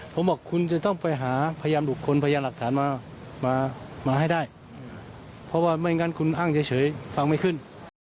ผมบอกคุณจะต้องไปหาพยานบุคคลพยานหลักฐานมามาให้ได้เพราะว่าไม่งั้นคุณอ้างเฉยฟังไม่ขึ้น